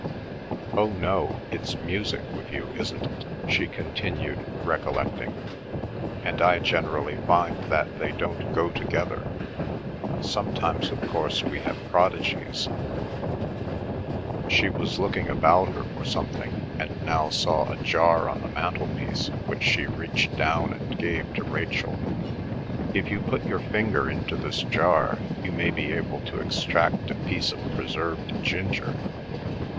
"Oh no, it's music with you, isn't it?" she continued, recollecting, "and I generally find that they don't go together. Sometimes of course we have prodigies—" She was looking about her for something and now saw a jar on the mantelpiece which she reached down and gave to Rachel. "If you put your finger into this jar you may be able to extract a piece of preserved ginger.